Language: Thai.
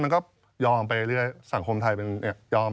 มันก็ยอมไปเรื่อยสังคมไทยมันยอม